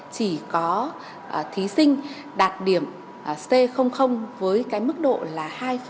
chỉ có thí sinh đạt điểm c với cái mức độ là hai chín mươi năm